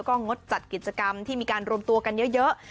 ก็งดจัดกิจกรรมที่มีการรวมตัวกันเยอะ